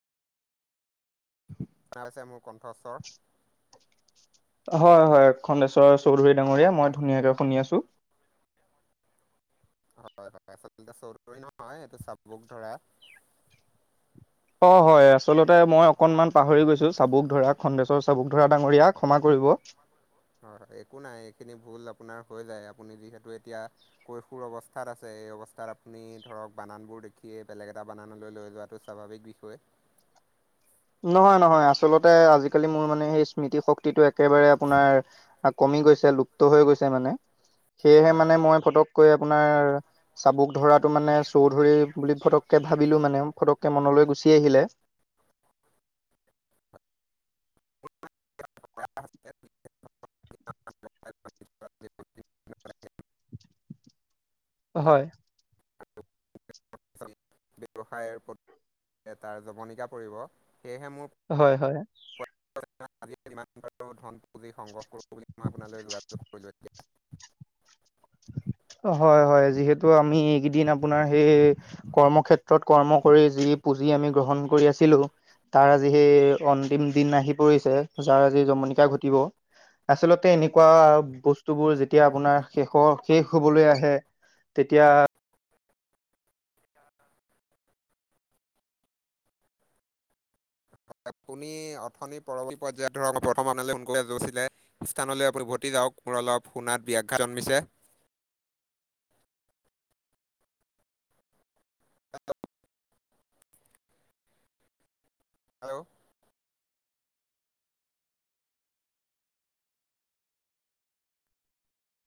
নাইছে মোৰ কণ্ঠস্বৰ। [inaudible] হয়, হয়। খঙেশ্বৰ চৌধুৰী ডাঙৰীয়া, মই ধুনীয়াকে শুনি আছোঁ। হয়, হয়। আচলতে চৌধুৰী নহয়, এইটো চাবুক ধৰা। অ' হয়। আচলতে মই অকনমান পাহৰি গৈছো চাবুক ধৰা খন্দেশ্বৰ চাবুক ধৰা ডাঙৰীয়া ক্ষমা কৰিব। হয়। একো নাই, এইখিনি ভুল আপোনাৰ হৈ যায় আপুনি যিহেতু এতিয়া কৈশোৰ অৱস্থাত আছে, এই অৱস্থাত আপুনি ধৰক বানানবোৰ দেখিয়ে বেলেগ এটা বানাননলৈ লৈ যোৱাটো স্বাভাৱিক বিষয়। নহয় নহয় আচলতে আজিকালি মোৰ মানে সেই স্মৃতি শক্তিটো একেবাৰে আপোনাৰ কমি গৈছে লুপ্ত হৈ গৈছে মানে সেয়েহে হয় মানে হয় মই ফটককৈ আপোনাৰ চাবুক ধৰাতটো মানে চৌধুৰী বুলি ফটককে ভাবিলো মানে ফটককে মনলৈ গুচি আহিলে। [unintelligible] হয় [unintelligible] হয়। ব্যৱসায় পঠ এটা জমনিকা পৰিব সেয়েহে মোৰ হয় হয়। [unintelligible] ধন পুঁজি সংগ্ৰহ কৰো বুলি ম আপোনাল যোগা কৰিলো এতিয়া। হয় হয় যিহেতু আমি এইকেইদিন আপোনাৰ সেই কৰ্মক্ষেত্ৰত কৰ্ম কৰি যি পুহি আমি গ্ৰহণ কৰি আছিলো। তাৰ আজি সেই অন্তিম দিন আহি পৰিছে যাৰ আজি জমনিকা ঘটিব। আচলতে এনেকুৱা বস্তু বোৰ যেতিয়া আপোনাৰ শেষ ক শেষ হবলৈ আহে তেতিয়া আপুনি অথনি পৰৱৰ্ত পৰ্যায়টো বৰ্তমানলৈ [unintelligible] মানলৈ যৈছিলে। স্থানলৈ উভতি যাওক মোৰ অলপ শুনাত ব্যাঘাত জন্মিছে। হেল্ল'